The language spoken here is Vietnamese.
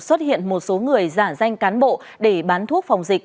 xuất hiện một số người giả danh cán bộ để bán thuốc phòng dịch